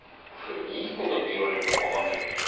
いいことって言われると分かんねえけどさ。